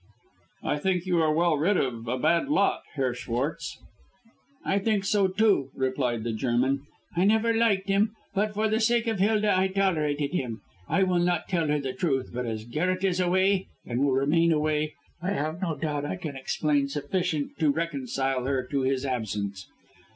"I think you are well rid of a bad lot, Herr Schwartz." "I think so too," replied the German. "I never liked him; but for the sake of Hilda I tolerated him. I will not tell her the truth; but as Garret is away, and will remain away, I have no doubt I can explain sufficient to reconcile her to his absence.